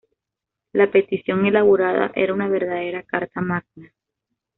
La petición elaborada era una verdadera Carta Magna.